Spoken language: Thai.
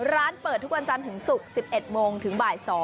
ร้านเปิดทุกวันจันทร์ถึงศุกร์๑๑โมงถึงบ่าย๒